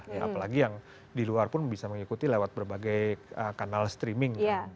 ya apalagi yang di luar pun bisa mengikuti lewat berbagai kanal streaming